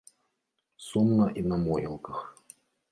Сумна і на могілках.